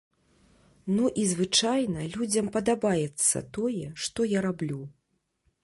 Ну і звычайна людзям падабаецца тое, што я раблю.